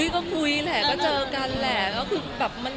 ก็คุยแหละก็เจอกันแหละ